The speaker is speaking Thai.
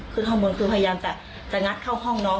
ข้างบนคือพยายามจะงัดเข้าห้องน้อง